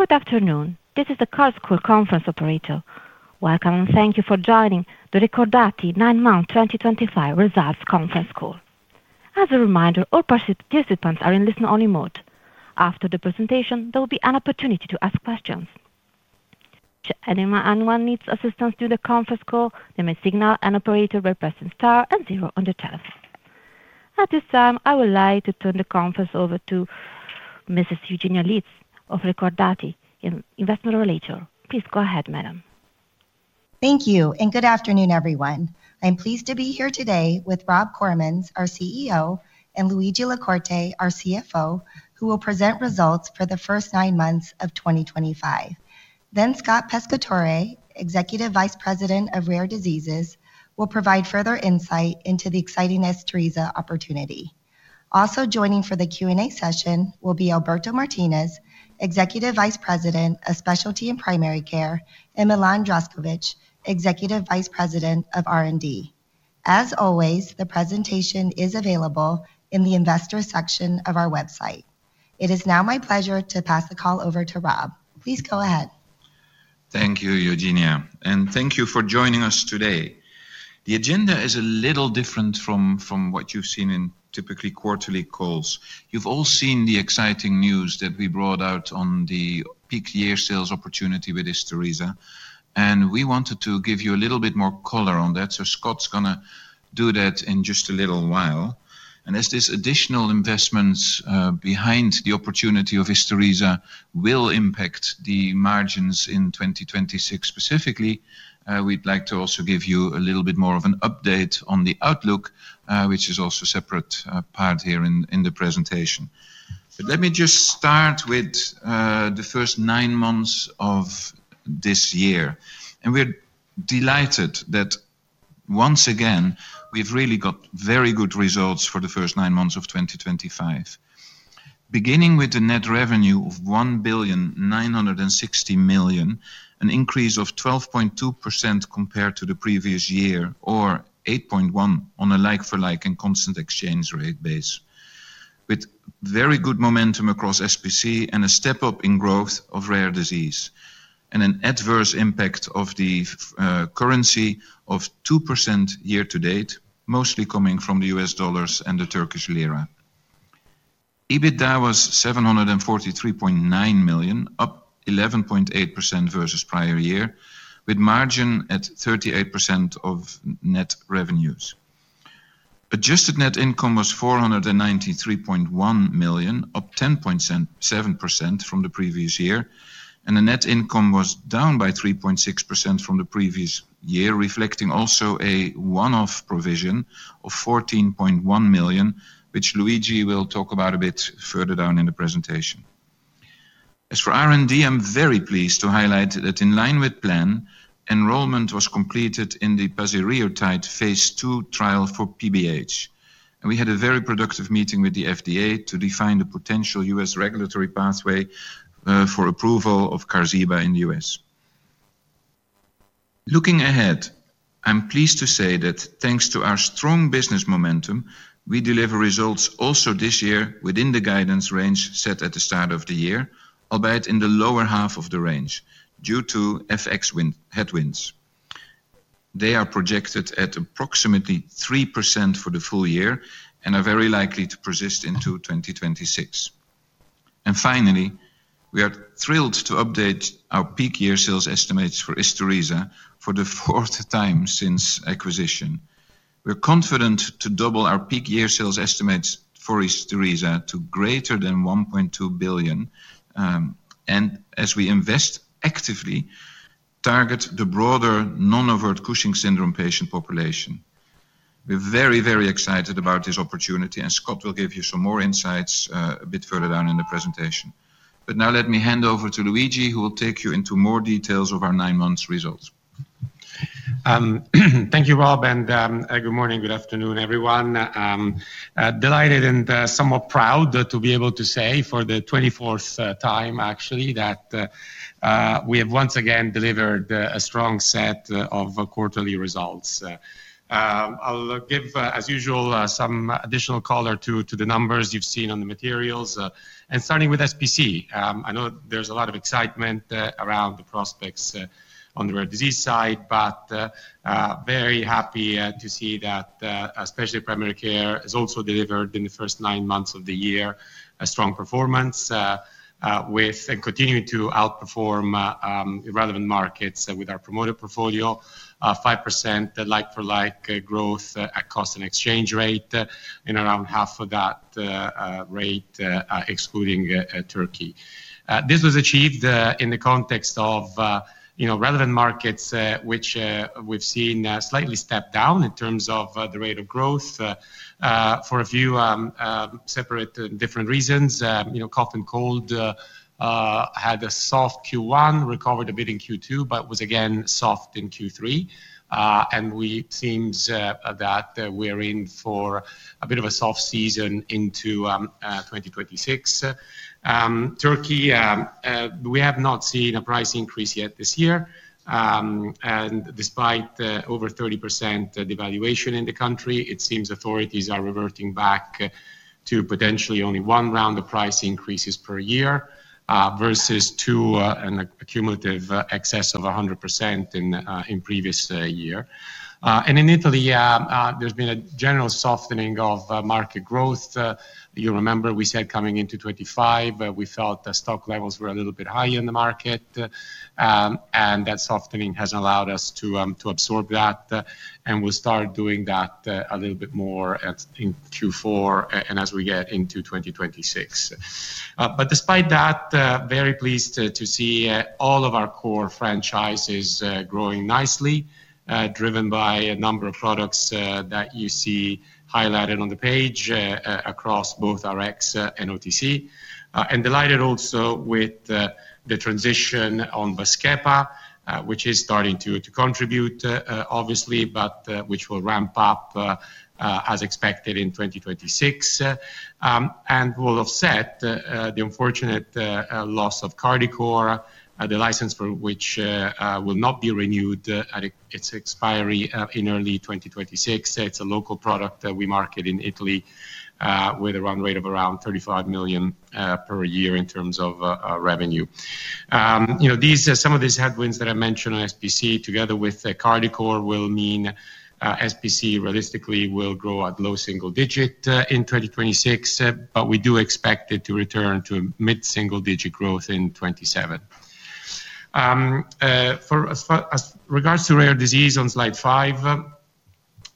Good afternoon, this is the conference operator. Welcome and thank you for joining the Recordati nine-month 2025 Results Conference Call. As a reminder, all participants are in listen-only mode. After the presentation there will be an opportunity to ask questions. If anyone needs assistance during the conference call, they may signal an operator by pressing star and zero on the test. At this time I would like to turn the conference over to Mrs. Eugenia Litz of Recordati Investor Relations. Please go ahead madam. Thank you and good afternoon everyone. I'm pleased to be here today with Rob Koremans, our CEO, and Luigi La Corte, our CFO, who will present results for the first nine months of 2025. Scott Pescatore, Executive Vice President of Rare Diseases, will provide further insight into the exciting Isturisa opportunity. Also joining for the Q and A session will be Alberto Martinez, Executive Vice President of Specialty and Primary Care, and Milan Zdravkovic, Executive Vice President of R&D. As always, the presentation is available in the investor section of our website. It is now my pleasure to pass the call over to Rob. Please go ahead. Thank you, Eugenia, and thank you for joining us today. The agenda is a little different from what you've seen in typically quarterly calls. You've all seen the exciting news that we brought out on the peak year sales opportunity with Isturisa, and we wanted to give you a little bit more color on that. Scott's going to do that in just a little while. As these additional investments behind the opportunity of Isturisa will impact the margins in 2026 specifically, we'd like to also give you a little bit more of an update on the outlook, which is also a separate part here in the presentation. Let me just start with the first nine months of this year, and we're delighted that once again we've really got very good results for the first nine months of 2025. Beginning with the net revenue of 1,960,000,000 and an increase of 12.2% compared to the previous year or 8.1% on a like-for-like and constant exchange rate base with very good momentum across SPC and a step up in growth of rare disease and an adverse impact of the currency of 2% year to date mostly coming from the US dollar and the Turkish lira. EBITDA was 743.9 million, up 11.8% versus prior year with margin at 38% of net revenues. Adjusted net income was 493.1 million, up 10.7% from the previous year and the net income was down by 3.6% from the previous year, reflecting also a one-off provision of 14.1 million which Luigi will talk about a bit further down in the presentation. As for R&D, I'm very pleased to highlight that in line with plan, enrollment was completed in the Pasireotide phase 2 trial for PBH and we had a very productive meeting with the FDA to define the potential U.S. regulatory pathway for approval of Carxiba in the U.S. Looking ahead, I'm pleased to say that thanks to our strong business momentum we deliver results also this year within the guidance range set at the start of the year, albeit in the lower half of the range due to FX headwinds. They are projected at approximately 3% for the full year and are very likely to persist into 2026. Finally, we are thrilled to update our peak year sales estimates for Isturisa for the fourth time since acquisition. We're confident to double our peak year sales estimates for Isturisa to greater than 1.2 billion and as we invest actively target the broader non-overt Cushing's syndrome patient population. We're very, very excited about this opportunity and Scott will give you some more insights a bit further down in the presentation. Now let me hand over to Luigi who will take you into more details of our nine months results. Thank you Rob and good morning. Good afternoon everyone. Delighted and somewhat proud to be able to say for the 24th time actually that we have once again delivered a strong set of quarterly results. I'll give as usual some additional color to the numbers you've seen on the materials. Starting with SPC, I know there's a lot of excitement around the prospects on the rare disease side, but very happy to see that especially primary care has also delivered in the first nine months of the year. A strong performance with and continuing to outperform relevant markets with our promoter portfolio, 5% like-for-like growth at cost and exchange rate, and around half of that rate excluding Turkey. This was achieved in the context of relevant markets which we've seen slightly step down in terms of the rate of growth for a few separate different reasons. and cold had a soft Q1, recovered a bit in Q2 but was again soft in Q3 and it seems that we're in for a bit of a soft season into 2026. In Turkey we have not seen a price increase yet this year and despite over 30% devaluation in the country it seems authorities are reverting back to potentially only one round of price increases per year versus a cumulative excess of 100% in the previous year. In Italy there's been a general softening of market growth. You remember we said coming into 2025 we felt the stock levels were a little bit high in the market and that softening has allowed us to absorb that and we'll start doing that a little bit more in Q4 and as we get into 2026. Despite that, very pleased to see all of our core franchises growing nicely driven by a number of products that you see highlighted on the page across both RX and OTC and delighted also with the transition on Baskepa which is starting to contribute obviously but which will ramp up as expected in 2026 and will offset the unfortunate loss of Cardicor, the license for which will not be renewed at a period its expiry in early 2026. It is a local product that we market in Italy with a run rate of around 35 million per year in terms of revenue. You know these, some of these headwinds that I mentioned on SPC together with Cardicor will mean SPC realistically will grow at low single digit in 2026, but we do expect it to return to mid single digit growth in 2027. As regards to rare disease on slide 5,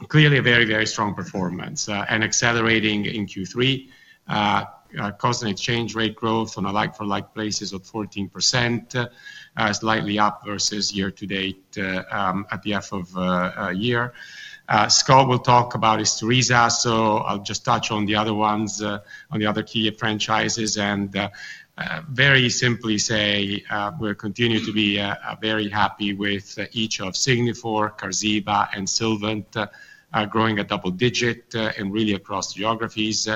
clearly a very, very strong performance and accelerating in Q3, constant exchange rate growth on a like-for-like basis of 14%, slightly up versus year to date. At the end of year, Scott will talk about Isturisa, so I'll just touch on the other ones, on the other key franchises, and very simply say we continue to be very happy with each of Signifor, Carxiba, and Sylvant growing at double digit and really across geographies,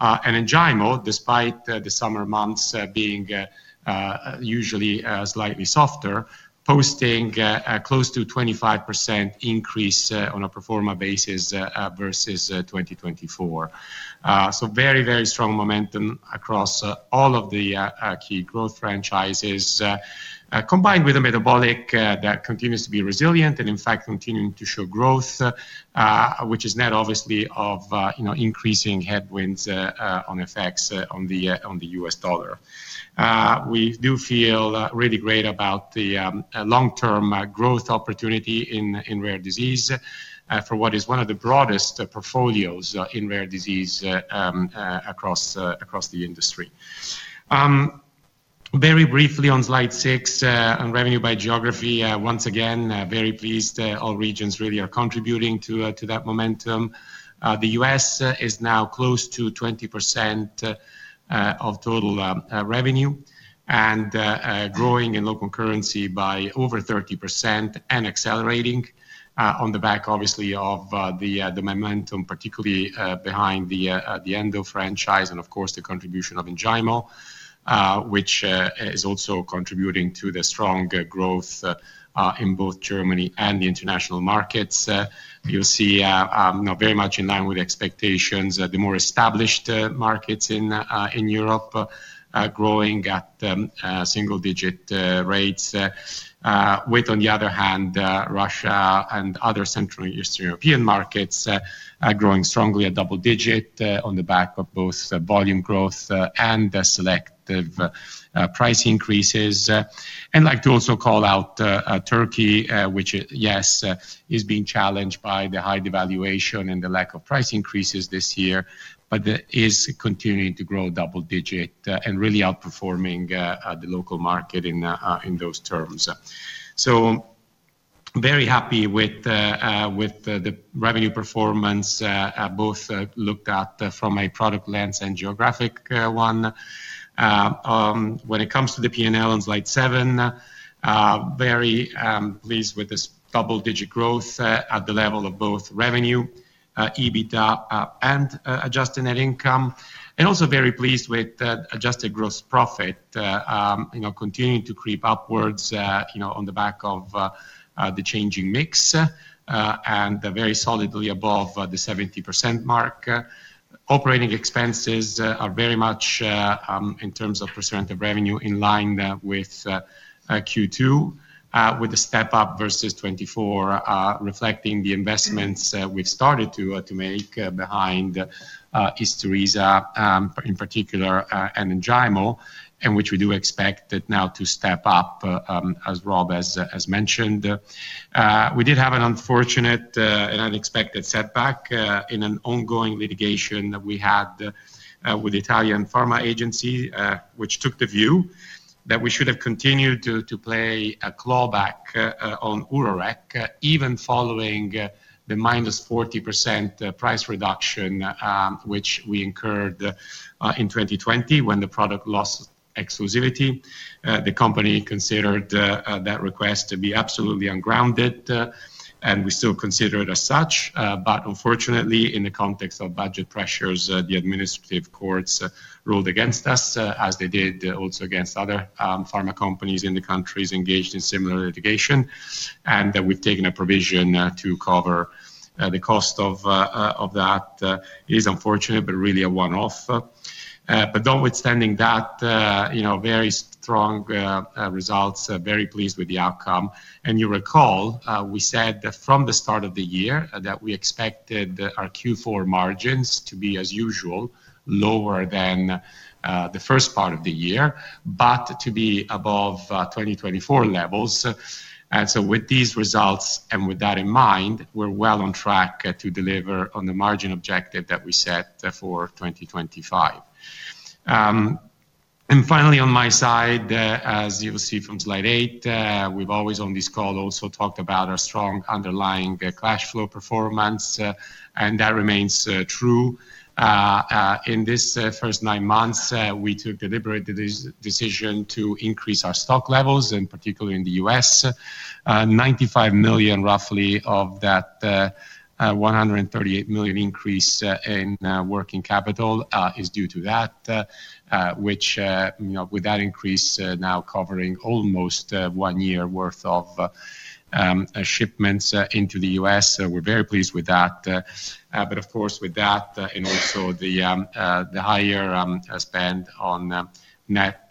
and in Ngimo, despite the summer months being usually slightly softer, posting close to 25% increase on a pro forma basis versus 2024. Very, very strong momentum across all of the key growth franchises combined with a metabolic that continues to be resilient and in fact continuing to show growth, which is net obviously of increasing headwinds on effects on the US dollar. We do feel really great about the long term growth opportunity in rare disease for what is one of the broadest portfolios in rare disease across the industry. Very briefly on slide 6 on revenue by geography, once again very pleased all regions really are contributing to that momentum. The U.S. is now close to 20% of total revenue and growing in local currency by over 30% and accelerating on the back obviously of the momentum particularly behind the Endo franchise and of course the contribution of Ngimo, which is also contributing to the strong growth in both Germany and the international markets. You'll see very much in line with expectations the more established markets in Europe growing at single digit rates, with on the other hand Russia and other Central Eastern European markets growing strongly at double digit on the back of both volume growth and select price increases. I like to also call out Turkey, which yes, is being challenged by the high devaluation and the lack of price increases this year, but is continuing to grow double digit and really outperforming the local market in those terms. I am very happy with the revenue performance both looked at from a product lens and geographic one when it comes to the P and L on slide 7. I am very pleased with this double digit growth at the level of both revenue, EBITDA, and adjusted net income, and also very pleased with adjusted gross profit continuing to creep upwards on the back of the changing mix and very solidly above the 70% mark. Operating expenses are very much in terms of percent of revenue in line with Q2 with a step up versus 2024 reflecting the investments we've started to make behind Isturisa in particular and Ngimo, and which we do expect now to step up. As Rob has mentioned, we did have an unfortunate and unexpected setback in an ongoing litigation that we had with Italian Pharma Agency which took the view that we should have continued to pay a clawback on Uraplex even following the -40% price reduction which we incurred in 2020 when the product lost exclusivity. The company considered that request to be absolutely ungrounded and we still consider it as such. Unfortunately, in the context of budget pressures, the administrative courts ruled against us, as they did also against other pharmaceutical companies in the countries engaged in similar litigation. That we've taken a provision to cover the cost of that is unfortunate, but really a one off. Notwithstanding that, you know, very strong results, very pleased with the outcome. You recall we said from the start of the year that we expected our Q4 margins to be as usual, lower than the first part of the year, but to be above 2024 levels. With these results, and with that in mind, we're well on track to deliver on the margin objective that we set for 2025. Finally on my side, as you will see from slide 8, we've always on this call also talked about our strong underlying cash flow performance and that remains true. In this first nine months we took deliberate decision to increase our stock levels and particularly in the U.S. 95 million roughly of that 138 million increase in working capital is due to that which with that increase now covering almost one year worth of shipments into the U.S. we are very pleased with that. Of course with that in order to fund the higher spend on net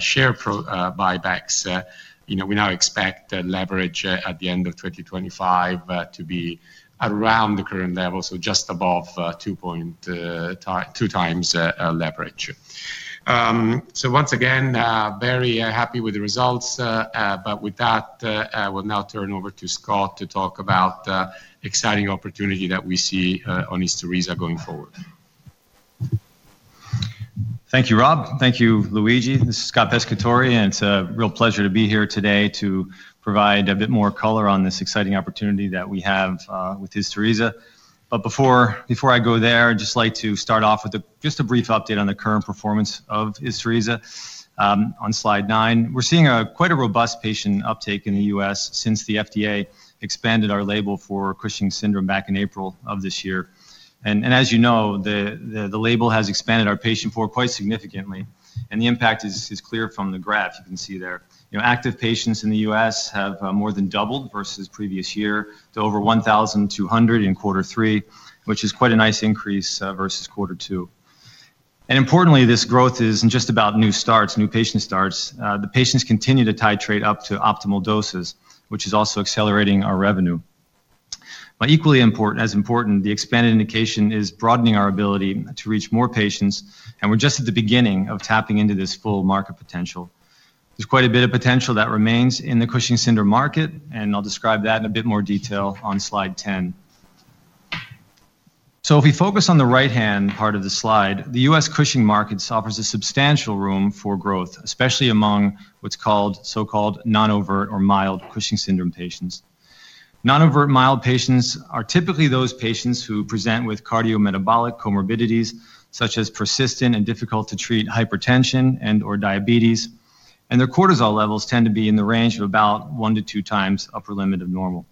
share buybacks, we now expect leverage at the end of 2025 to be around the current level, just above two times leverage. Once again very happy with the results. With that I will now turn over to Scott to talk about exciting opportunity that we see on Isturisa going forward. Thank you Rob. Thank you Luigi. This is Scott Pescatori and it's a real pleasure to be here today to provide a bit more color on this exciting opportunity that we have with Isturisa. Before I go there, I'd just like to start off with just a brief update on the current performance of Isturisa on slide 9. We're seeing quite a robust patient uptake in the U.S. since the FDA expanded our label for Cushing's syndrome back in April of this year. As you know, the label has expanded our patient pool quite significantly. The impact is clear from the graph you can see there. Active patients in the U.S. have more than doubled versus previous year to over 1,200 in quarter three, which is quite a nice increase versus quarter two. Importantly, this growth isn't just about new starts, new patient starts. The patients continue to titrate up to optimal doses, which is also accelerating our revenue. Equally important, the expanded indication is broadening our ability to reach more patients. We are just at the beginning of tapping into this full market potential. There is quite a bit of potential that remains in the Cushing's syndrome market and I will describe that in a bit more detail on slide 10. If we focus on the right-hand part of the slide, the U.S. Cushing's market offers substantial room for growth, especially among what is called so-called non-overt or mild Cushing's syndrome patients. Non-overt mild patients are typically those patients who present with cardiometabolic comorbidities such as persistent and difficult to treat hypertension and/or diabetes, and their cortisol levels tend to be in the range of about 1-2 times upper limit of normal.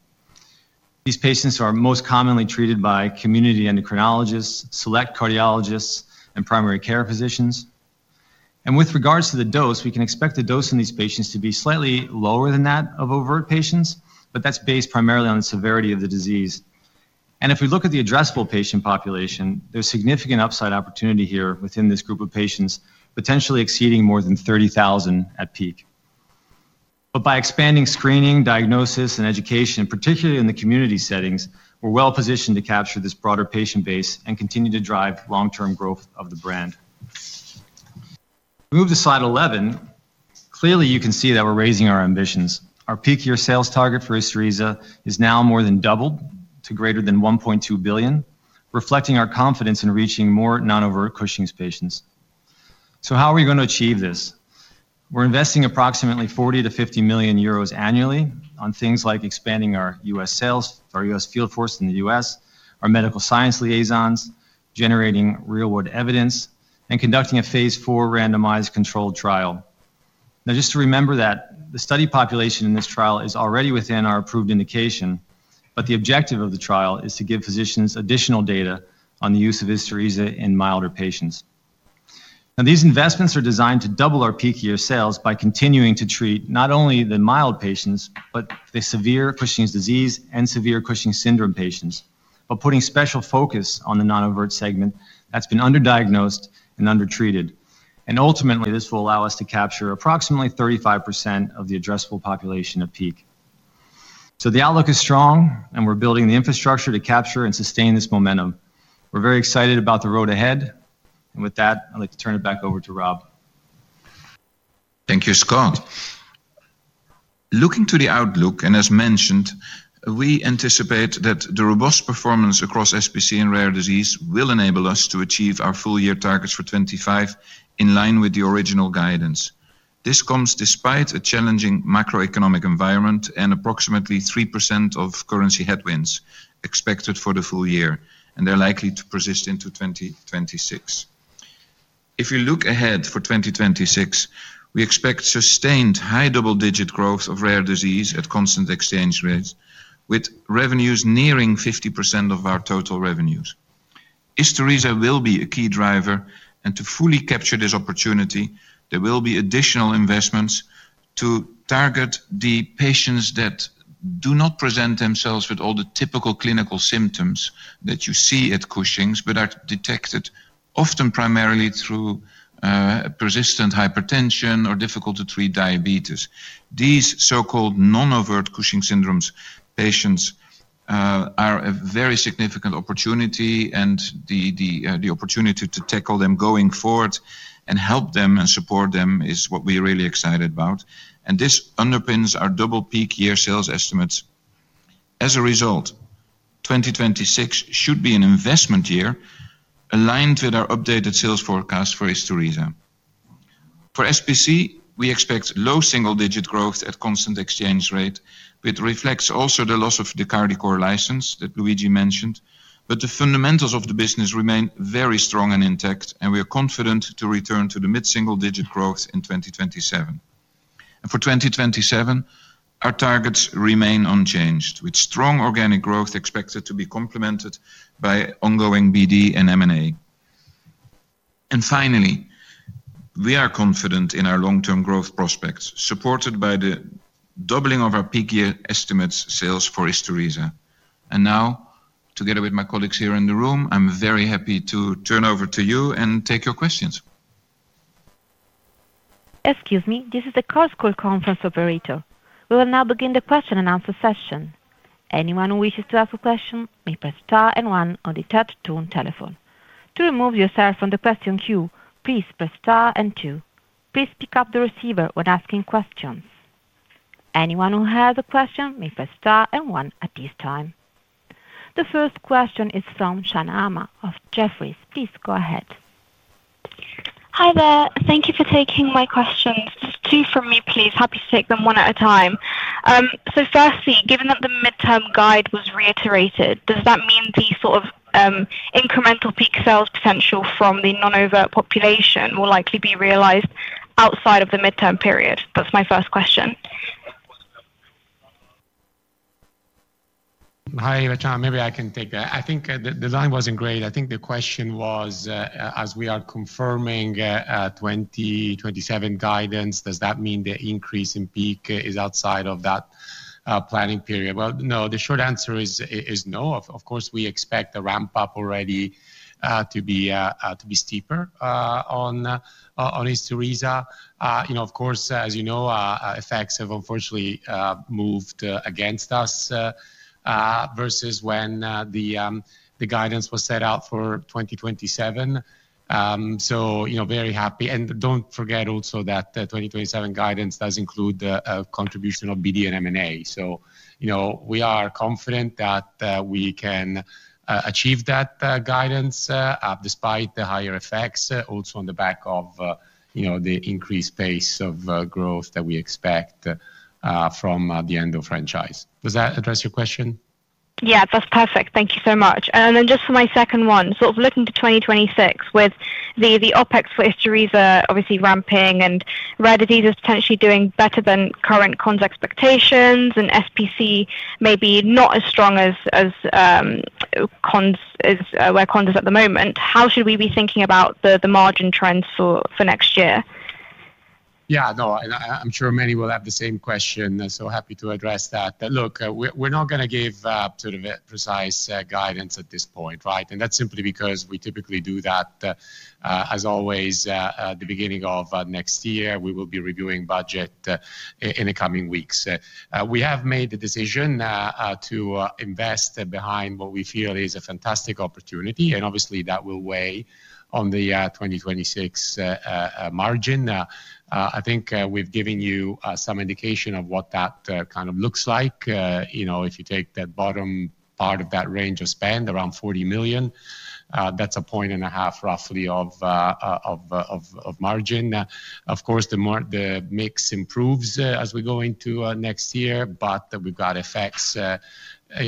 These patients are most commonly treated by community endocrinologists, select cardiologists, and primary care physicians. With regards to the dose, we can expect the dose in these patients to be slightly lower than that of overt patients, but that is based primarily on the severity of the disease. If we look at the addressable patient population, there is significant upside opportunity here within this group of patients, potentially exceeding more than 30,000 at peak. By expanding screening, diagnosis, and education, particularly in the community settings, we are well positioned to capture this broader patient base and continue to drive long-term growth of the brand. Move to slide 11. Clearly, you can see that we are raising our ambitions. Our peak year sales target for Isturisa is now more than doubled to greater than 1.2 billion, reflecting our confidence in reaching more non-overt Cushing's patients. How are we going to achieve this? We're investing approximately 40 million-50 million euros annually on things like expanding our US sales, our US field force in the US, our medical science liaisons, generating real world evidence, and conducting a phase 4 randomized controlled trial. Now, just to remember that the study population in this trial is already within our approved indication. The objective of the trial is to give physicians additional data on the use of Isturisa in milder patients. These investments are designed to double our peak year sales by continuing to treat not only the mild patients, but the severe Cushing's disease and severe Cushing's syndrome patients, putting special focus on the non overt segment that's been under diagnosed and undertreated. Ultimately, this will allow us to capture approximately 35% of the addressable population at peak. The outlook is strong and we're building the infrastructure to capture and sustain this momentum. We're very excited about the road ahead and with that I'd like to turn it back over to Rob. Thank you, Scott. Looking to the outlook and as mentioned, we anticipate that the robust performance across SPC and rare disease will enable us to achieve our full year targets for 2025 in line with the original guidance. This comes despite a challenging macroeconomic environment and approximately 3% of currency headwinds expected for the full year, and they are likely to persist into 2026. If you look ahead for 2026, we expect sustained high double-digit growth of rare disease at constant exchange rates with revenues nearing 50% of our total revenues. Isturisa will be a key driver, and to fully capture this opportunity, there will be additional investments to target the patients that do not present themselves with all the typical clinical symptoms that you see at Cushing's, but are detected often primarily through persistent hypertension or difficult to treat diabetes. These so-called non-overt Cushing's syndrome patients are a very significant opportunity and the opportunity to tackle them going forward and help them and support them is what we're really excited about. This underpins our double peak year sales estimates. As a result, 2026 should be an investment year aligned with our updated sales forecast for Isturisa. For SPC we expect low single-digit growth at constant exchange rate, which reflects also the loss of the Cardicor license that Luigi mentioned. The fundamentals of the business remain very strong and intact and we are confident to return to mid single-digit growth in 2027. For 2027 our targets remain unchanged with strong organic growth expected to be complemented by ongoing BD&M and A. Finally, we are confident in our long term growth prospects supported by the doubling of our peak year estimated sales for Isturisa. Now, together with my colleagues here in the room, I am very happy to turn over to you and take your questions. Excuse me, this is the call school conference operator. We will now begin the question and answer session. Anyone who wishes to ask a question may press star and one on the third tone telephone. To remove yourself from the question queue, please press star and two. Please pick up the receiver when asking questions. Anyone who has a question may press star and one at this time. The first question is from Shahzad of Jefferies. Please go ahead. Hi there. Thank you for taking my questions. Two from me please. Happy to take them one at a time. Firstly, given that the midterm guide was reiterated, does that mean the sort of incremental peak sales potential from the non-overt population will likely be realized outside of the midterm period? That's my first question. Hi Vachaan, maybe I can take that. I think the design was not great. I think the question was as we are confirming 2027 guidance, does that mean the increase in peak is outside of that planning period? No. The short answer is no. Of course, we expect the ramp up already to be steeper on Isturisa. You know, of course as you know, FX has unfortunately moved against us versus when the guidance was set out for 2027. You know, very happy. And do not forget also that 2027 guidance does include the contribution of BD&M and A. You know, we are confident that we can achieve that guidance despite the higher FX. Also on the back of, you know, the increased pace of growth that we expect from the Endo franchise. Does that address your question? Yeah, that's perfect. Thank you so much. And then just for my second one, sort of looking to 2026 with the OpEx are obviously ramping and rare disease is potentially doing better than current cons expectations and SPC maybe not as strong as where cons is at the moment. How should we be thinking about the margin trends for next year? Yeah, no, I'm sure many will have the same question, so happy to address that. Look, we're not going to give sort of precise guidance at this point. Right. And that's simply because we typically do that as always, the beginning of next year. We will be reviewing budget in the coming weeks. We have made the decision to invest behind what we feel is a fantastic opportunity and obviously that will weigh on the 2026 margin. I think we've given you some indication of what that kind of looks like. You know, if you take that bottom part of that range of spend around 40 million, that's a point and a half roughly of margin. Of course, the more the mix improves as we go into next year, but we've got effects,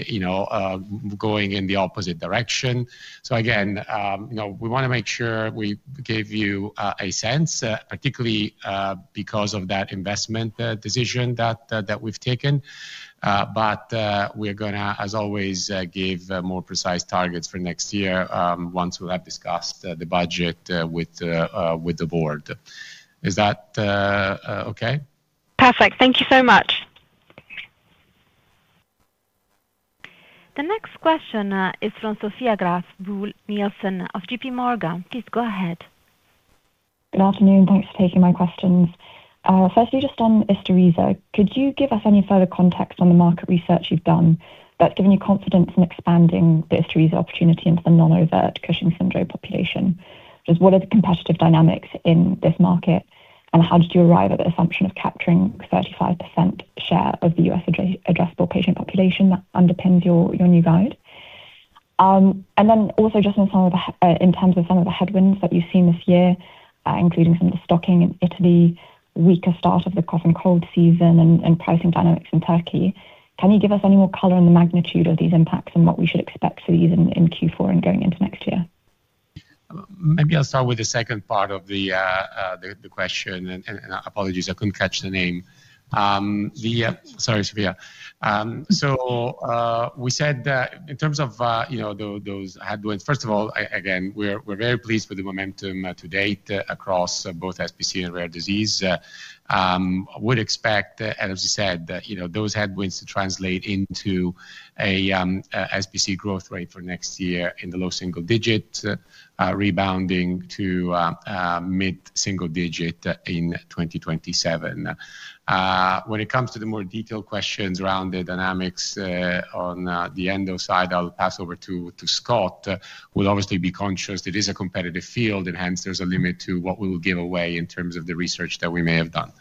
you know, going in the opposite direction. Again, you know, we want to make sure we give you a sense, particularly because of that investment decision that we've taken. We are going to, as always, give more precise targets for next year once we'll have discussed the budget with the board. Is that okay? Perfect. Thank you so much. The next question is from Sophia Graf Nielsen of JPMorgan. Please go ahead. Good afternoon. Thanks for taking my questions. Firstly, just on Isturisa, could you give us any further context on the market research you've done that's given you confidence in expanding the Isturisa opportunity into the non-overt Cushing's syndrome population? Just what are the competitive dynamics in this market and how did you arrive at the assumption of capturing 35% share of the US addressable patient population that underpins your new guide? Also, just in terms of some of the headwinds that you've seen this year, including some of the stocking in Italy, weaker start of the cough and cold season, and pricing dynamics in Turkey. Can you give us any more color on the magnitude of these impacts and what we should expect for these in Q4 and going into next year? Maybe I'll start with the second part of the question and apologies, I couldn't catch the name. Sorry, Sophia. So we said in terms of those headwinds, first of all, again, we're very pleased with the momentum to date across both SPC and rare disease. Would expect, as you said, those headwinds to translate into a SPC growth rate for next year in the low single digit rebounding to mid single digit in 2027. When it comes to the more detailed questions around the dynamics on the endo side, I'll pass over to Scott. We'll obviously be conscious it is a competitive field and hence there's a limit to what we will give away in terms of the research that we may have done.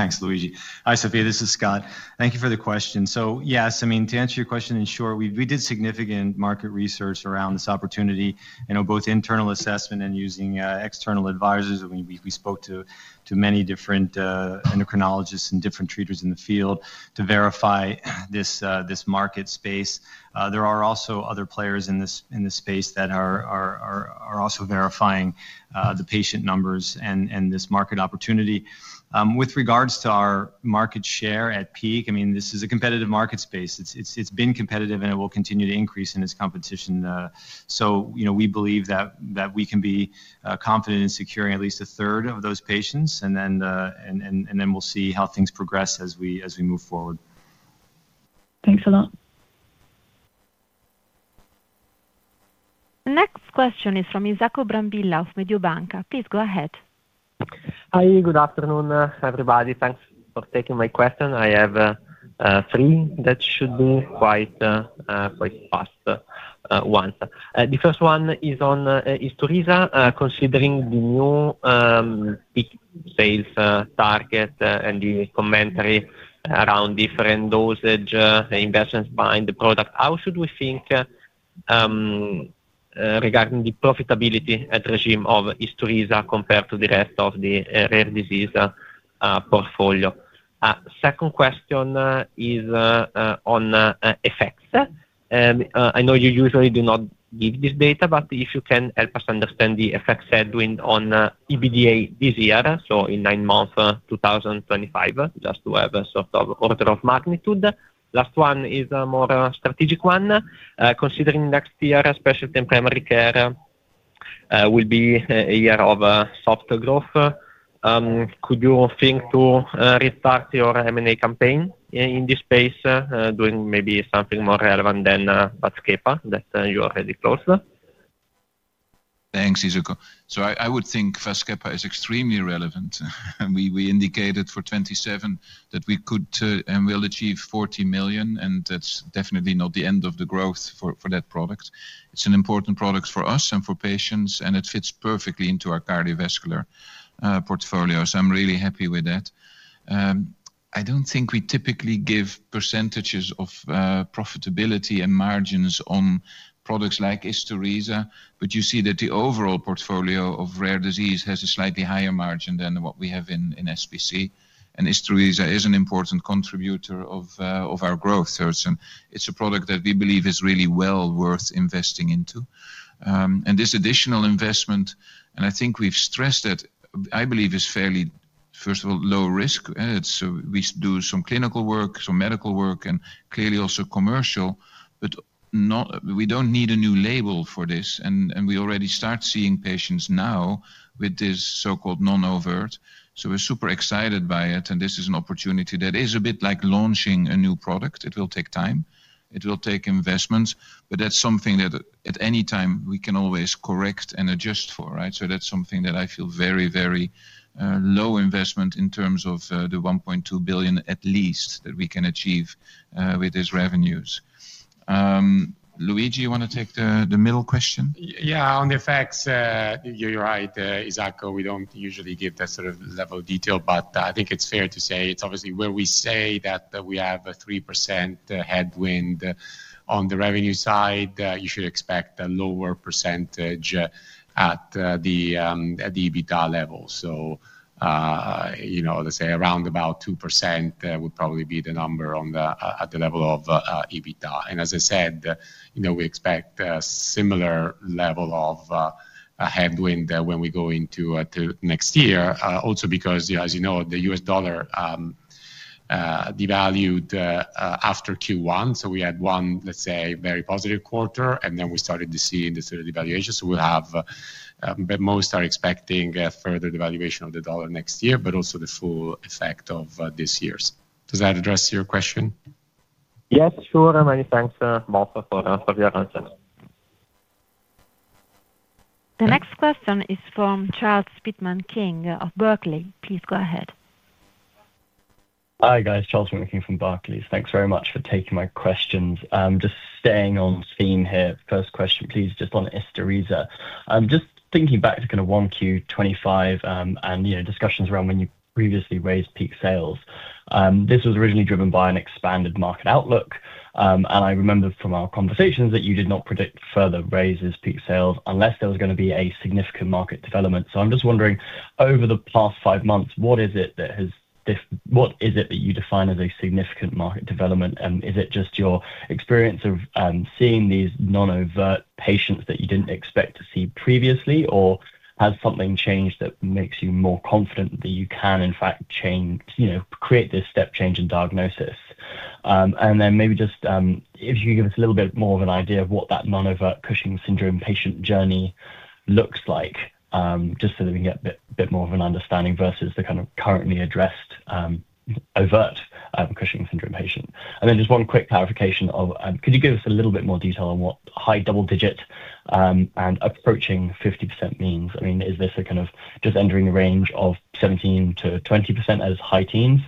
Thanks, Luigi. Hi, Sophia, this is Scott. Thank you for the question. Yes, I mean, to answer your question, in short, we did significant market research around this opportunity. You know, both internal assessment and using external advisors. We spoke to many different endocrinologists and different treaters in the field to verify this market space. There are also other players in this space that are also verifying the patient numbers and this market opportunity with regards to our market share at peak. I mean, this is a competitive market space. It's been competitive and it will continue to increase in its competition. You know, we believe that we can be confident in securing at least a third of those patients and then we'll see how things progress as we, as we move forward. Thanks a lot. Next question is from Izako Brambilla of Mediobanca. Please go ahead. Hi, good afternoon everybody. Thanks for taking my question. I have three that should be quite fast. The first one is on Isturisa. Considering the new sales target and the commentary around different dosage investments behind the product, how should we think regarding the profitability at regime of Isturisa compared to the rest of the rare disease portfolio? Second question is on FX. I know you usually do not give this data, but if you can help us understand the FX headwind on EBITDA this year. So in nine months, 2025, just to have a sort of order of magnitude. Last one is a more strategic one. Considering next year, especially in primary care, will be a year of soft growth. Could you think to restart your M&A campaign in this space doing maybe something more relevant than VASCEPA that you already closed? Thanks, Izako. I would think VASCEPA is extremely relevant. We indicated for 2027 that we could and will achieve 40 million. That's definitely not the end of the growth for that product. It's an important product for us and for patients and it fits perfectly into our cardiovascular portfolio. I'm really happy with that. I don't think we typically give percentages of profitability and margins on products like Isturisa, but you see that the overall portfolio of rare disease has a slightly higher margin than what we have in SPC. Isturisa is an important contributor of our growth. It's a product that we believe is really well worth investing into. This additional investment, and I think we've stressed that, I believe is fairly, first of all, low risk. We do some clinical work, some medical work, and clearly also commercial. We do not need a new label for this. We already start seeing patients now with this so-called non overt. We are super excited by it. This is an opportunity that is a bit like launching a new product. It will take time, it will take investments, but that is something that at any time we can always correct and adjust for. Right. That is something that I feel is very, very low investment in terms of the 1.2 billion at least that we can achieve with these revenues. Luigi, you want to take the middle question? Yeah. On the effects, you're right, Izako, we don't usually give that sort of level detail, but I think it's fair to say it's obviously where we say that we have a 3% headwind on the revenue side. You should expect a lower % at the EBITDA level. You know, let's say around about 2% would probably be the number at the level of EBITDA. As I said, you know, we expect a similar level of headwind when we go into next year also because, as you know, the US dollar devalued after Q1, so we had one, let's say, very positive quarter and then we started to see the devaluation. We'll have most, or expect further devaluation of the dollar next year, but also the full effect of this year's. Does that address your question? Yes, sure. Many thanks, Martha, for your answer. The next question is from Charles Maycock of Barclays. Please go ahead. Hi guys. Charles Speedman King from Barclays. Thanks very much for taking my questions. Just staying on theme here. First question please. Just on Isturisa. Just thinking back to kind of Q1 2025 and discussions around when you previously raised peak sales. This was originally driven by an expanded market outlook. I remember from our conversations that you did not predict further raises to peak sales unless there was going to be a significant market development. I'm just wondering over the past five months, what is it that you define as a significant market development? Is it just your experience of seeing these non-overt patients that you did not expect to see previously? Or has something changed that makes you more confident that you can in fact change, you know, create this step change in diagnosis and then maybe just if you give us a little bit more of an idea of what that non-overt Cushing's syndrome patient journey looks like just so that we get a bit more of an understanding versus the kind of currently addressed overt Cushing's syndrome patient. I mean, just one quick clarification of could you give us a little bit more detail on what high double digit and approaching 50% means? I mean is this a kind of just entering the range of 17-20% as high teens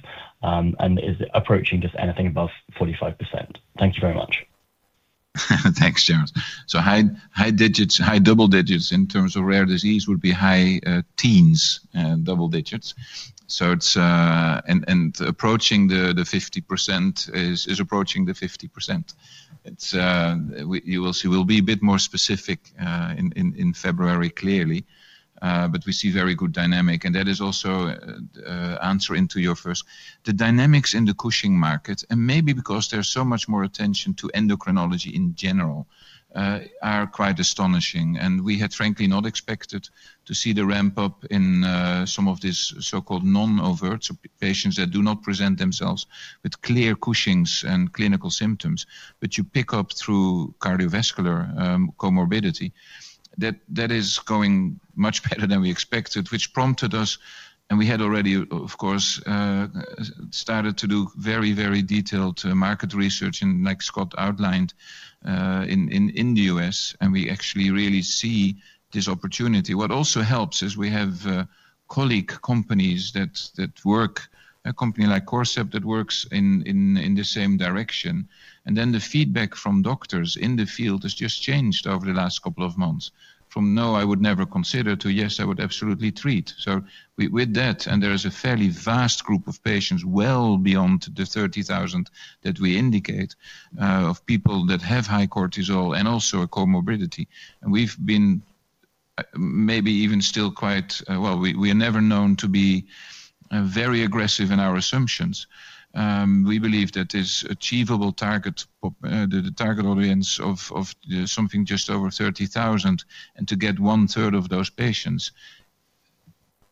and is approaching just anything above 45%? Thank you very much. Thanks, Charles. High double digits in terms of rare disease would be high teens and double digits. It is approaching the 50%. You will see we will be a bit more specific in February, clearly, but we see very good dynamic and that is also answering to your first. The dynamics in the Cushing market, and maybe because there is so much more attention to endocrinology in general, are quite astonishing, and we had frankly not expected to see the ramp up in some of these so-called non-overt patients that do not present themselves with clear Cushing's and clinical symptoms, but you pick up through cardiovascular comorbidity. That is going much better than we expected. Which prompted us and we had already of course started to do very, very detailed market research like Scott outlined in the U.S. and we actually really see this opportunity. What also helps is we have colleague companies that work, a company like Corcept that works in the same direction, and then the feedback from doctors in the field has just changed over the last couple of months from no, I would never consider to yes, I would absolutely treat. With that, and there is a fairly vast group of patients well beyond the 30,000 that we indicate of people that have high cortisol and also a comorbidity, and we've been maybe even still quite. We are never known to be very aggressive in our assumptions. We believe that this achievable target audience of something just over 30,000 and to get one third of those patients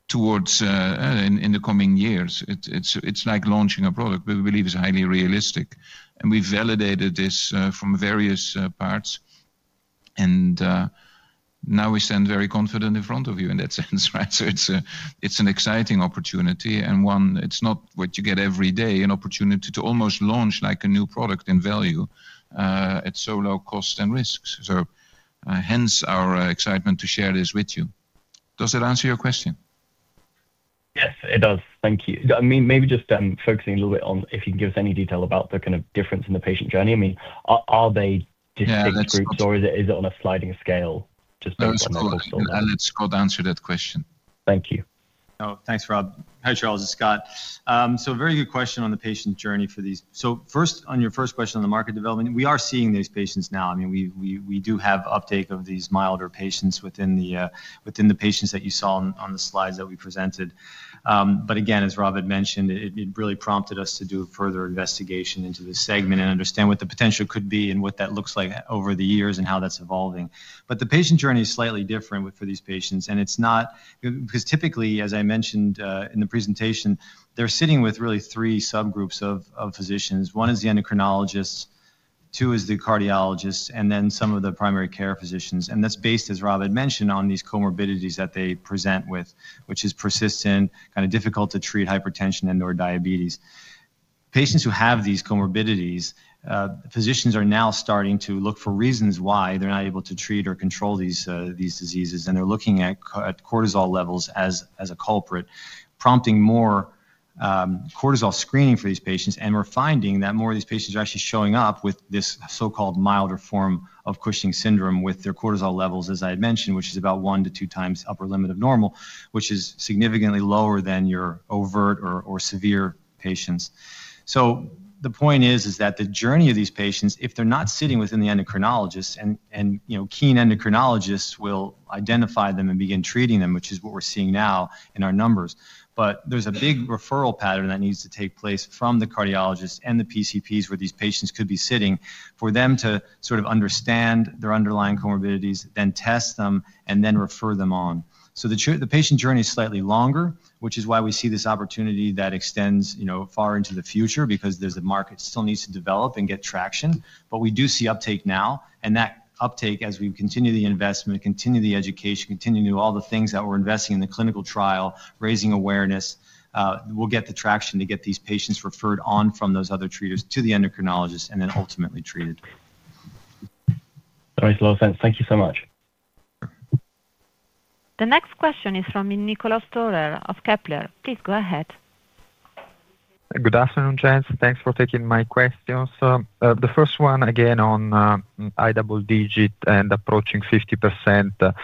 towards in the coming years, it's like launching a product we believe is highly realistic and we validated this from various parts and now we stand very confident in front of you in that sense. Right. It's an exciting opportunity and one it's not what you get every day, an opportunity to almost launch like a new product in value at so low cost and risks. Hence our excitement to share this with you. Does it answer your question? Yes, it does. Thank you. I mean maybe just focusing a little bit on if you can give us any detail about the kind of difference in the patient journey. I mean are they distinct groups or is it, is it on a sliding scale? Just let Scott answer that question. Thank you. Thanks, Rob. Hi, Charles, it's Scott. Very good question on the patient journey for these. First, on your first question on the market development, we are seeing these patients now. I mean, we do have uptake of these milder patients within the patients that you saw on the slides that we presented. Again, as Rob had mentioned, it really prompted us to do further investigation into this segment and understand what the potential could be and what that looks like over the years and how that's evolving. The patient journey is slightly different for these patients and it's not because typically, as I mentioned in the presentation, they're sitting with really three subgroups of physicians. One is the endocrinologists, two is the cardiologist, and then some of the primary care physicians. That is based, as Rob had mentioned, on these comorbidities that they present with, which is persistent, kind of difficult to treat hypertension and or diabetes. Patients who have these comorbidities, physicians are now starting to look for reasons why they're not able to treat or control these diseases. They're looking at cortisol levels as a culprit, prompting more cortisol screening for these patients. We're finding that more of these patients are actually showing up with this so-called milder form of Cushing's syndrome with their cortisol levels, as I had mentioned, which is about one to two times upper limit of normal, which is significantly lower than your overt or severe patients. The point is, is that the journey of these patients, if they're not sitting within the endocrinologist and, you know, keen endocrinologists will identify them and begin treating them, which is what we're seeing now in our numbers. There is a big referral pattern that needs to take place from the cardiologists and the PCPs where these patients could be sitting for them to sort of understand their underlying comorbidities, then test them and then refer them on. The patient journey is slightly longer, which is why we see this opportunity that extends far into the future because the market still needs to develop and get traction. We do see uptake now and that uptake, as we continue the investment, continue the education, continue all the things that we're investing in the clinical trial, raising awareness, we'll get the traction to get these patients referred on from those other treaters to the endocrinologist and then ultimately treated. All right, Luigi. Thank you so much. The next question is from Nicolas Stohler of Kepler. Please go ahead. Good afternoon, Jens. Thanks for taking my questions. The first one again on high double digit and approaching 50%.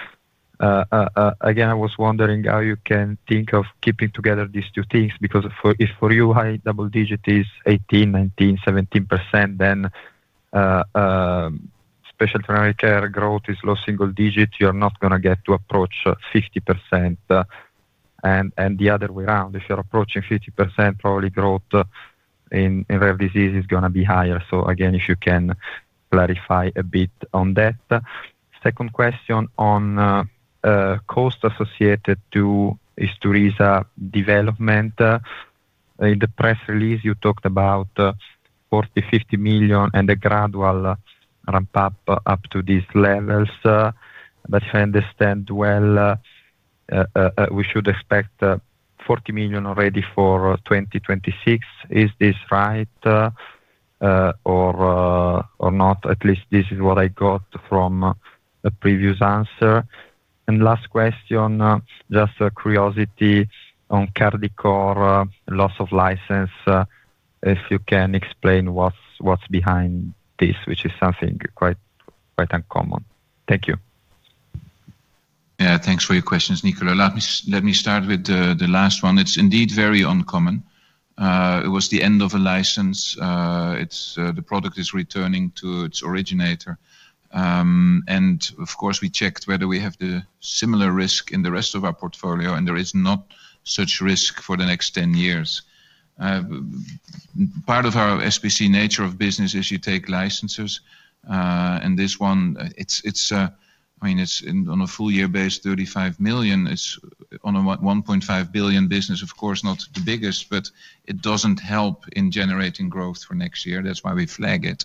Again I was wondering how you can think of keeping together these two things. Because if for you high double digit is 18%, 19%, 17% then special ternary care growth is low single digit, you're not going to get to approach 50%. The other way around, if you're approaching 50%, probably growth in rare disease is going to be higher. Again, if you can clarify a bit on that. Second question on cost associated to Isturisa development. In the press release you talked about 40 million-50 million and a gradual ramp up to these levels. If I understand well, we should expect 40 million already for 2026. Is this right or not? At least this is what I got from a previous answer. Last question, just curiosity on Cardicor loss of license. If you can explain what's behind this, which is something quite uncommon. Thank you. Thanks for your questions. Nicola, let me start with the last one. It's indeed very uncommon. It was the end of a license. The product is returning to its originator and of course we checked whether we have the similar risk in the rest of our portfolio and there is not such risk for the next 10 years. Part of our SBC nature of business is you take licenses and this one, it's. I mean, it's on a full year base 35 million. It's on a 1.5 billion business, of course not the biggest, but it doesn't help in generating growth for next year. That's why we flag it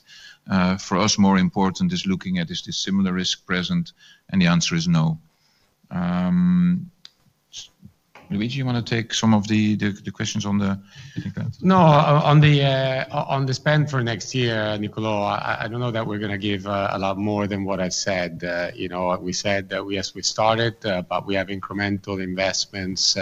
for us. More important is looking at is the similar risk present and the answer is no. Luigi, you want to take some of the questions on the no on the. Spend for next year. Nicolo, I do not know that we are going to give a lot more than what I said. We said that yes, we started but we have incremental investments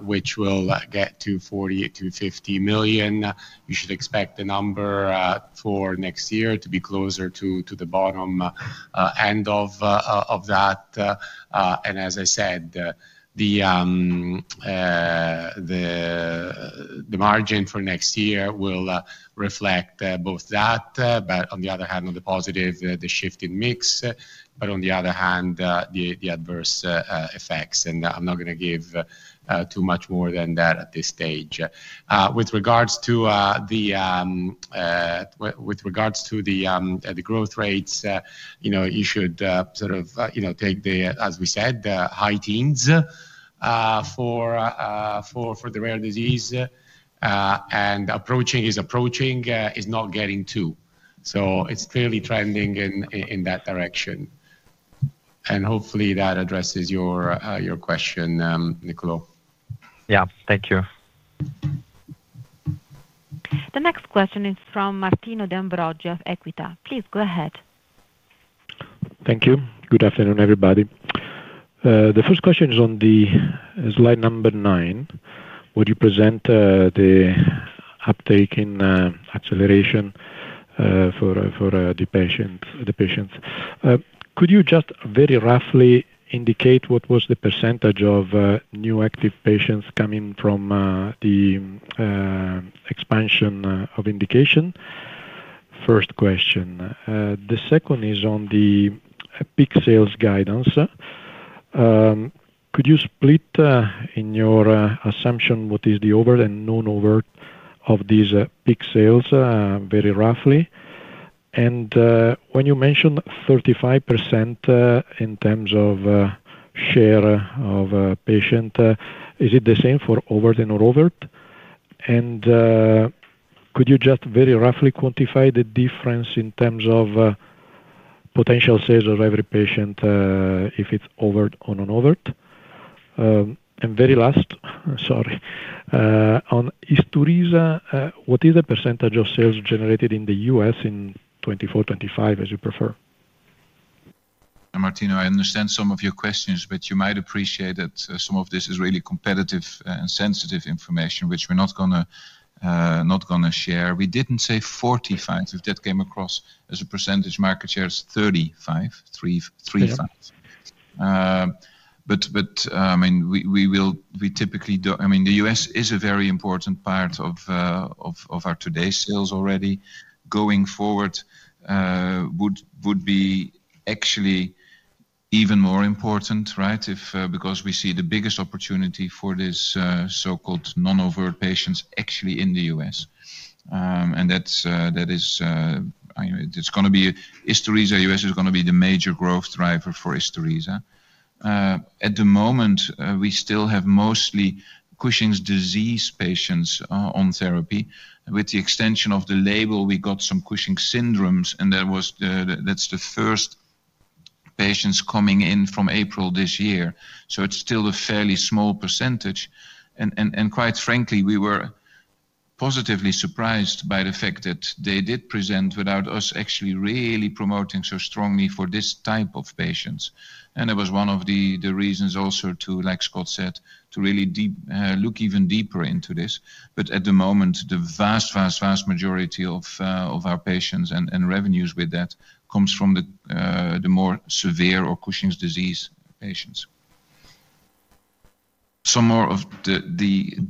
which will get to 40 million-50 million. You should expect the number for next year to be closer to the bottom end of that. As I said, the margin for next year will reflect both that. On the other hand, on the positive, the shift in mix. On the other hand, the adverse effects, and I am not going to give too much more than that at this stage with regards to the growth rates. You should sort of take the, as we said, high teens for the rare disease and approaching is approaching, is not getting to. It is clearly trending in that direction and hopefully that addresses your question, Nicolo. Yeah, thank you. The next question is from Martino d'Ambrogio of Equita. Please go ahead. Thank you. Good afternoon everybody. The first question is on the slide number nine. Would you present the uptake in acceleration for the patients? Could you just very roughly indicate what was the percentage of new active patients coming from the expansion of indication? First question. The second is on the PIC sales guidance. Could you split in your assumption what is the overt and non overt of these PIC sales? Very roughly. When you mentioned 35% in terms of share of patient, is it the same for overt and overt? Could you just very roughly quantify the difference in terms of potential sales of every patient if it's overt or non overt? Very last, sorry, on Isturisa. What is the percentage of sales generated in the US in 2024-2025 as you prefer? Martino, I understand some of your questions, but you might appreciate that some of this is really competitive and sensitive information which we're not gonna share. We didn't say 45%. If that came across as a percentage market share, it's 35.3-35%. But I mean, we will. We typically don't. I mean, the U.S. is a very important part of our today's sales already. Going forward, it would be actually even more important, right? Because we see the biggest opportunity for this so-called non-overt patients, and that's, that is, it's going to be Isturisa. Isturisa is going to be the major growth driver for Isturisa at the moment. We still have mostly Cushing's disease patients on therapy. With the extension of the label, we got some Cushing's syndromes, and that was, that's the first patients coming in from April this year. It is still a fairly small percentage. Quite frankly, we were positively surprised by the fact that they did present without us actually really promoting so strongly for this type of patients. It was one of the reasons also to, like Scott said, to really look even deeper into this. At the moment, the vast, vast, vast majority of our patients and revenues with that comes from the more severe or Cushing's disease patients. Some more of the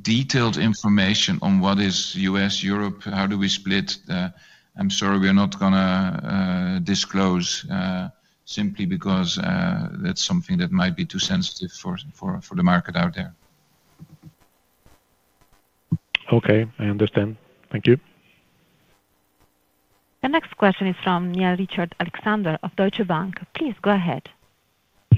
detailed information on what is US Europe, how do we split? I'm sorry, we are not going to disclose simply because that is something that might be too sensitive for the market out there. Okay, I understand. Thank you. The next question is from Neil Alexander of Deutsche Bank, please go ahead.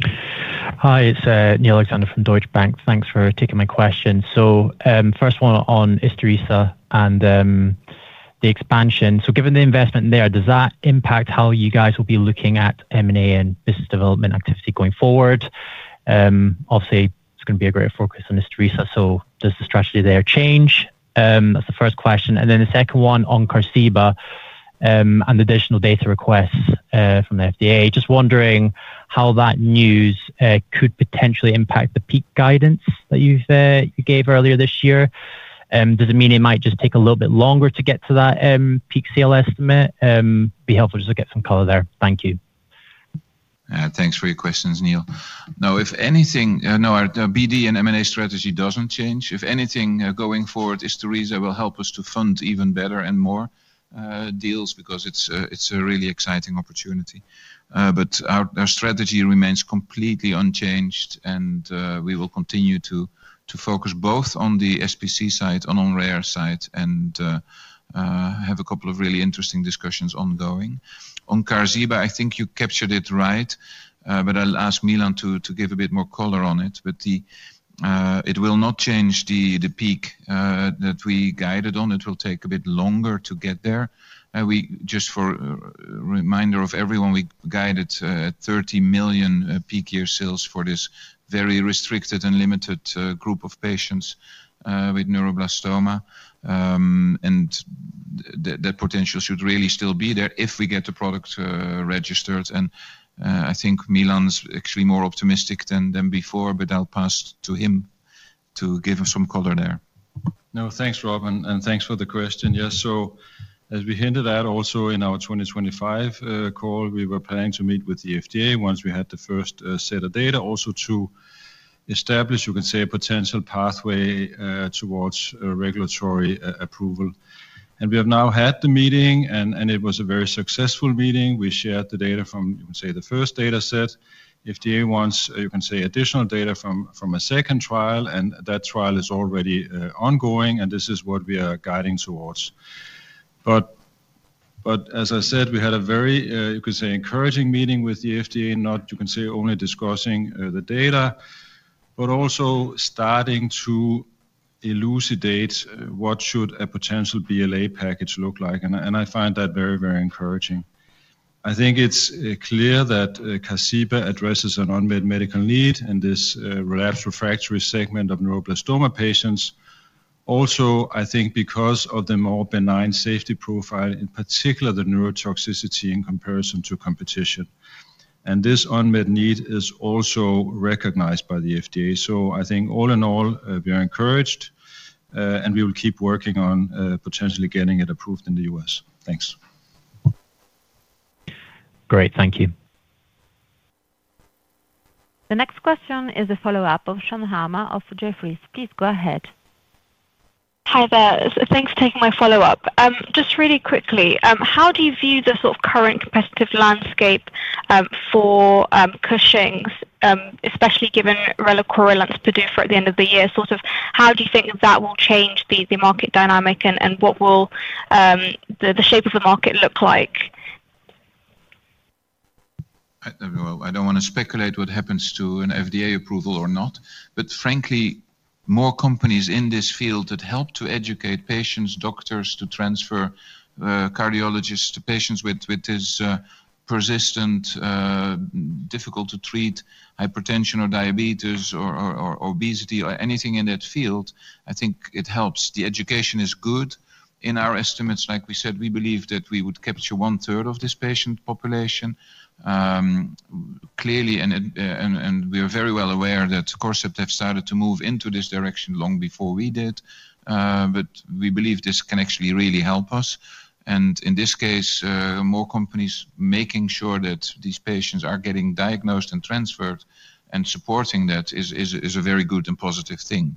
Hi, it's Neil Alexander from Deutsche Bank. Thanks for taking my question. First one on Isturisa and the expansion. Given the investment there, does that impact how you guys will be looking at M&A and business development activity going forward? Obviously, it's going to be a greater focus on Isturisa. Does the strategy there change? That's the first question. The second one on Carxiba and additional data requests from the FDA. Just wondering how that news could potentially impact the peak guidance that you gave earlier this year. Does it mean it might just take a little bit longer to get to that peak sale estimate? Be helpful just to get some color there. Thank you. Thanks for your questions, Neil. Now if anything, no, our BD&M and A strategy does not change. If anything going forward, Isturisa will help us to fund even better and more deals because it is a really exciting opportunity. Our strategy remains completely unchanged and we will continue to focus both on the SPC side and on rare side and have a couple of really interesting discussions ongoing. On Carxiba, I think you captured it right, but I will ask Milan to give a bit more color on it. It will not change the peak that we guided on. It will take a bit longer to get there. Just for reminder of everyone, we guided 30 million peak year sales for this very restricted and limited group of patients with neuroblastoma and that potential should really still be there if we get the product registered. I think Milan's actually more optimistic than before, but I'll pass to him to give us some color there. No, thanks Rob, and thanks for the question. Yes. As we hinted at also in our 2025 call, we were planning to meet with the FDA once we had the first set of data, also to establish, you can say, a potential pathway towards regulatory approval. We have now had the meeting, and it was a very successful meeting. We shared the data from, say, the first data set. FDA wants, you can say, additional data from a second trial, and that trial is already ongoing, and this is what we are guiding towards. As I said, we had a very, you could say, encouraging meeting with the FDA. Not, you can say, only discussing the data but also starting to elucidate what should a potential BLA package look like. I find that very, very encouraging. I think it's clear that Carxiba addresses an unmet medical need in this relapsed refractory safety segment of neuroblastoma patients. Also I think because of the more benign safety profile, in particular the neurotoxicity in comparison to competition. This unmet need is also recognized by the FDA. I think all in all we are encouraged and we will keep working on potentially getting it approved in the U.S. thanks. Great, thank you. The next question is a follow-up of Shahzad of Jefferies. Please go ahead. Hi there. Thanks for taking my follow-up. Just really quickly, how do you view the sort of current competitive landscape for Cushing, especially given relacorilant's PDUFA at the end of the year? Sort of. How do you think that will change the market dynamic and what will the shape of the market look like? I don't want to speculate what happens to an FDA approval or not, but frankly, more companies in this field that help to educate patients, doctors to transfer cardiologists to patients with this persistent, difficult to treat hypertension or diabetes or obesity or anything in that field. I think it helps. The education is good in our estimates, like we said, we believe that we would capture one third of this patient population clearly. We are very well aware that Corcept have started to move into this direction long before we did. We believe this can actually really help us. In this case, more companies making sure that these patients are getting diagnosed and transferred and supporting that is a very good and positive thing.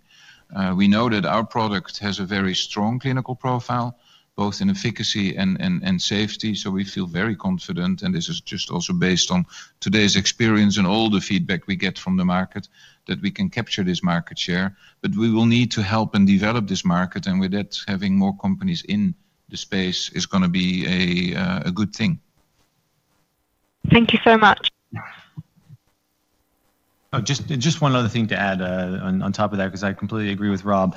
We know that our product has a very strong clinical profile both in efficacy and safety. We feel very confident. This is just also based on today's experience and all the feedback we get from the market that we can capture this market share. We will need to help and develop this market. With that, having more companies in the space is going to be a good thing. Thank you so much. Just one other thing to add on top of that, because I completely agree with Rob.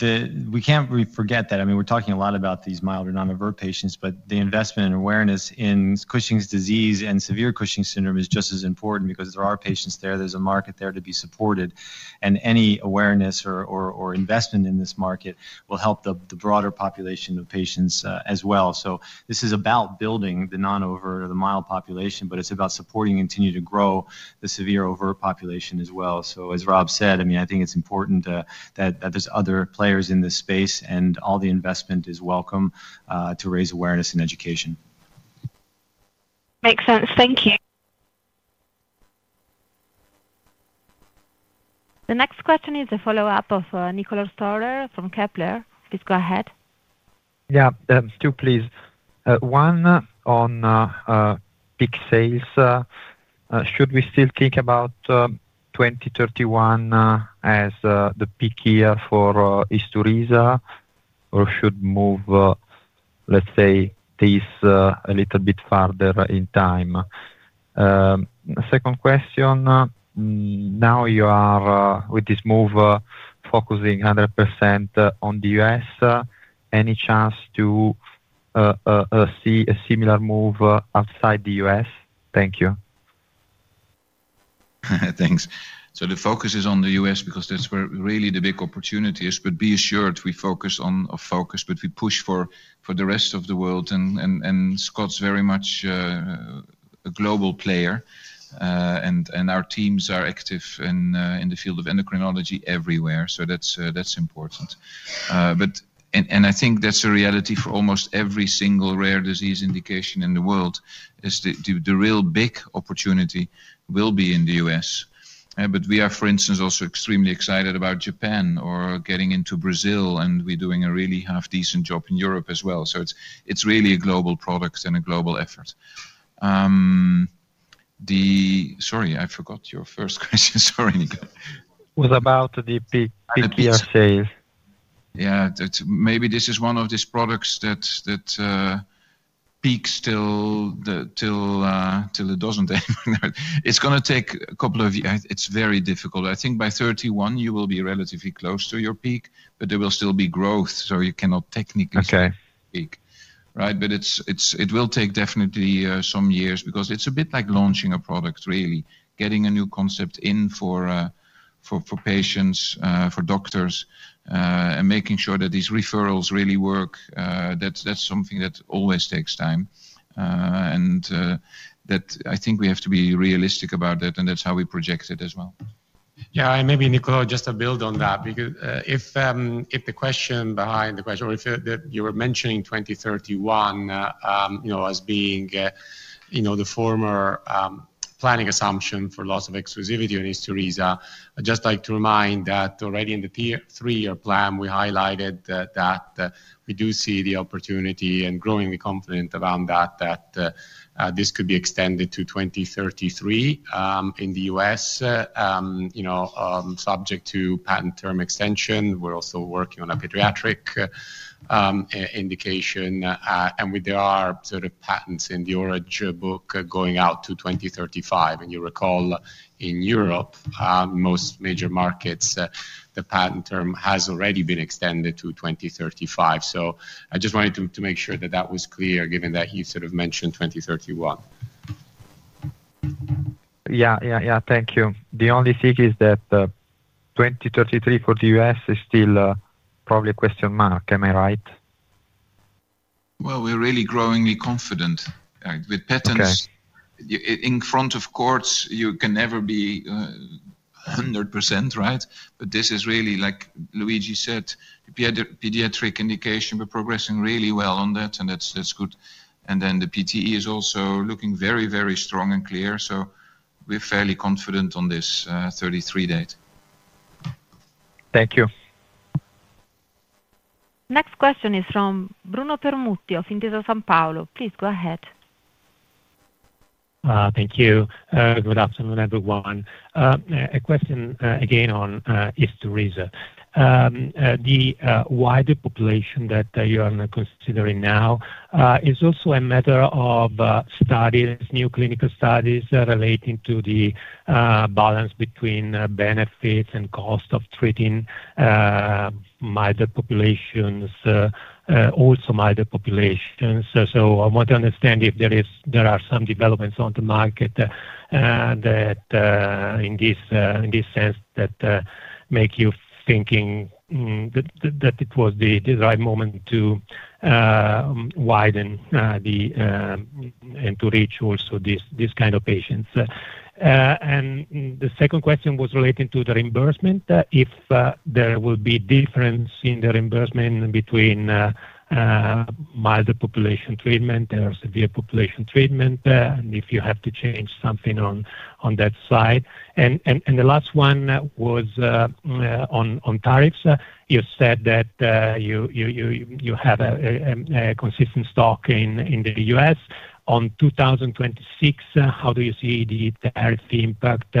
We can't forget that. I mean we're talking a lot about these mild or non overt patients. The investment and awareness in Cushing's disease and severe Cushing's syndrome is just as important because there are patients there, there's a market there to be supported, and any awareness or investment in this market will help the broader population of patients as well. This is about building the non overt or the mild population, but it's about supporting and continuing to grow the severe overt population as well. As Rob said, I mean, I think it's important that there's other players in this space and all the investment is welcome to raise awareness and education. Makes sense. Thank you. The next question is a follow-up of Nicolas Stohler from Kepler. Please go ahead. Yeah, Stu, please. One on peak sales, should we still think about 2031 as the peak year for Isturisa or should we move, let's say, this a little bit farther in time? Second question. Now you are, with this move, focusing 100% on the U.S., any chance to see a similar move outside the U.S.? Thank you. Thanks. The focus is on the U.S. because that's where really the big opportunity is. Be assured, we focus on focus, but we push for the rest of the world. Scott's very much a global player and our teams are active in the field of endocrinology everywhere. That is important and I think that's a reality for almost every single rare disease indication in the world. The real big opportunity will be in the U.S., but we are, for instance, also extremely excited about Japan or getting into Brazil. We're doing a really half decent job in Europe as well. It's really a global product and a global effort. Sorry, I forgot your first question. Sorry, Nico. Was about the PPR sales. Yeah. Maybe this is one of these products that peaks. Till it does not, it is gonna take a couple of years. It is very difficult. I think by 2031 you will be relatively close to your peak, but there will still be growth. You cannot technically speak. Right. It will take definitely some years because it is a bit like launching a product, really getting a new concept in for patients, for doctors and making sure that these referrals really work. That is something that always takes time. I think we have to be realistic about that. That is how we project it as well. Yeah. Maybe Nicolo, just to build on that, because if the question behind the question, or if you were mentioning 2031 as being the former planning assumption for loss of exclusivity on Isturisa, I'd just like to remind that already in the three year plan we highlighted that we do see the opportunity and growingly confident around that that this could be extended to 2033 in the U.S. subject to patent term extension. We're also working on a pediatric indication and with the ARB sort of patents in the Orange Book going out to 2035 and you recall in Europe, most major markets, the patent term has already been extended to 2035. I just wanted to make sure that that was clear given that he sort of mentioned 2031. Thank you. The only thing is that 2033 for the U.S. is still probably a question mark, am I right? We're really growingly confident. With patents in front of courts, you can never be 100% right. This is really, like Luigi said, pediatric indication. We're progressing really well on that. That's good. The PTE is also looking very, very strong and clear. We're fairly confident on this 33 date. Thank you. Next question is from Bruno Permutti of Intesa Sanpaolo. Please go ahead. Thank you. Good afternoon, everyone. A question again. On Isturisa, the wider population that you are considering now is also a matter of studies, new clinical studies relating to the bar between benefits and cost of treating milder populations also. Milder populations. I want to understand if there are some developments on the market that, in this sense, make you think that it was the right moment to widen the, and to reach also this kind of patient. The second question was relating to the reimbursement. If there will be difference in the reimbursement between milder population treatment or severe population treatment. If you have to change something on that side. The last one was on tariffs. You said that you have a consistent stock in the US on 2026. How do you see the tariff impact?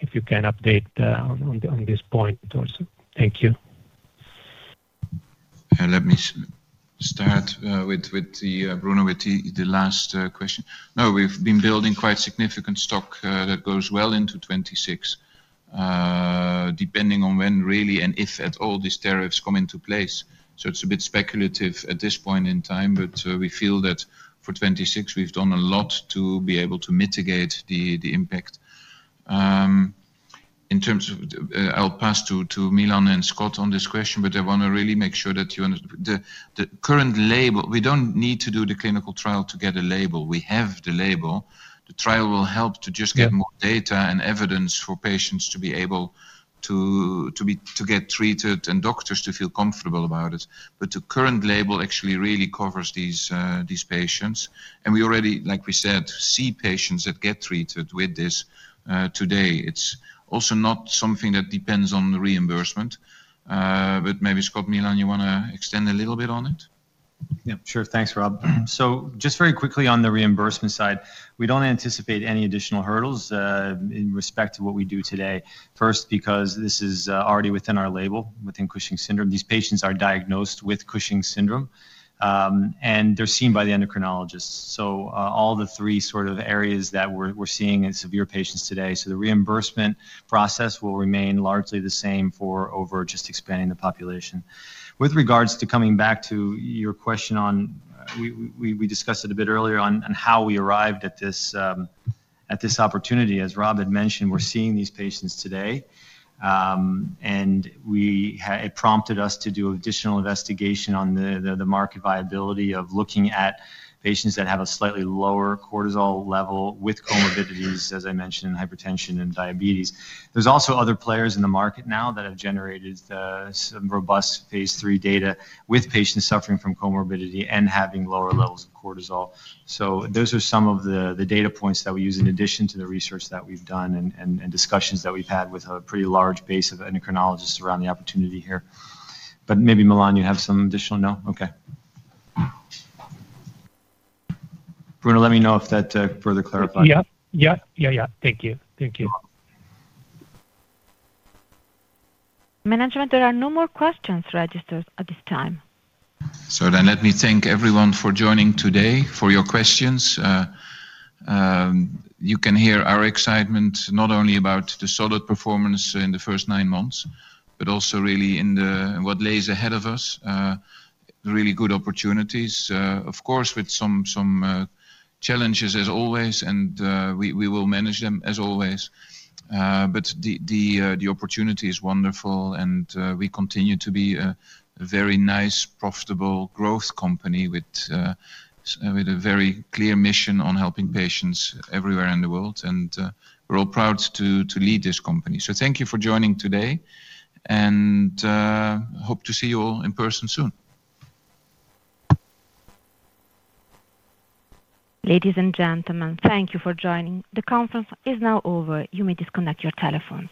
If you can update on this point also. Thank you. Let me start with Bruno with the last question. No, we've been building quite significant stock that goes well into 2026, depending on when really and if at all these tariffs come into place. It is a bit speculative at this point in time, but we feel that. For 2026, we've done a lot to be able to mitigate the impact in terms of. I'll pass to Milan and Scott on this question, but I want to really make sure that you understand the current label. We do not need to do the clinical trial to get a label. We have the label. The trial will help to just get more data and evidence for patients to be able to get treated and doctors to feel comfortable about it. The current label actually really covers these patients. We already, like we said, see patients that get treated with this today. It's also not something that depends on the reimbursement, but maybe. Scott, Milan, you want to extend a little bit on it? Yeah, sure. Thanks, Rob. Just very quickly, on the reimbursement side, we do not anticipate any additional hurdles in respect to what we do today. First, because this is already within our label, within Cushing's syndrome. These patients are diagnosed with Cushing's syndrome and they are seen by the endocrinologists. All the three sort of areas that we are seeing in severe patients today. The reimbursement process will remain largely the same for over just expanding the population. With regards to coming back to your question on, we discussed it a bit earlier on how we arrived at this opportunity. As Rob had mentioned, we are seeing these patients today and it prompted us to do additional investigation on the market viability of looking at patients that have a slightly lower cortisol level with comorbidities, as I mentioned, in hypertension and diabetes. are also other players in the market now that have generated some robust phase 3 data with patients suffering from comorbidity and having lower levels of cortisol. Those are some of the data points that we use in addition to the research that we have done and discussions that we have had with a pretty large base of endocrinologists around the opportunity here. Maybe, Milan, you have some additional. No. Okay, Bruno, let me know if that further clarifies. Thank you. Thank you. Management. There are no more questions registered at this time. Let me thank everyone for joining today for your questions. You can hear our excitement not only about the solid performance in the first nine months, but also really in what lays ahead of us. Really good opportunities, of course, with some challenges, as always, and we will manage them as always. The opportunity is wonderful and we continue to be a very nice, profitable growth company with a very clear mission on helping patients everywhere in the world. We are all proud to lead this company. Thank you for joining today and hope to see you all in person soon. Ladies and gentlemen, thank you for joining. The conference is now over. You may disconnect your telephones.